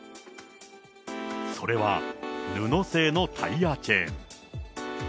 それは布製のタイヤチェーン。